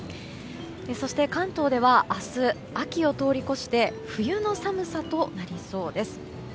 そして関東では明日、秋を通り越して冬の寒さとなりそうです。